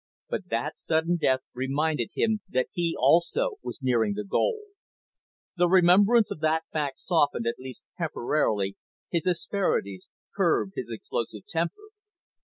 But that sudden death reminded him that he also was nearing the goal. The remembrance of that fact softened, at least temporarily, his asperities, curbed his explosive temper.